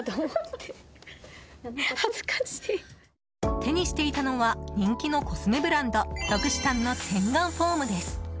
手にしていたのは人気のコスメブランドロクシタンの洗顔フォームです。